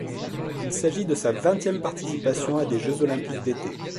Il s'agit de sa vingtième participation à des Jeux olympiques d'été.